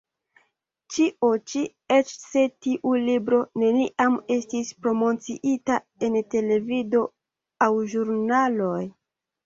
Ĉio ĉi, eĉ se tiu libro neniam estis promociita en televido aŭ ĵurnaloj.